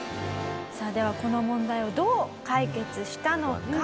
さあではこの問題をどう解決したのか？